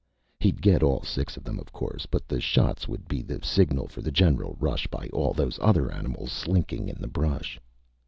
He'd get all six of them, of course, but the shots would be the signal for the general rush by all those other animals slinking in the brush.